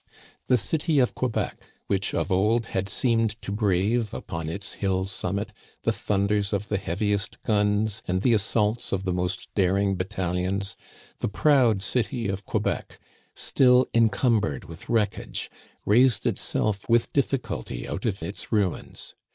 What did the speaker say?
The city of Quebec, which of old had seemed to brave, upon its hill summit, the thunders of the heaviest guns and the assaults of the most daring battalions, the proud city of Quebec, still incumbered with wreckage, raised itself with difficulty out of its ruins.